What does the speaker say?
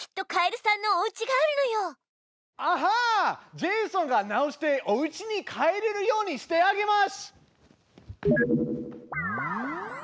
ジェイソンが直しておうちに帰れるようにしてあげます！